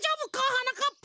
はなかっぱ。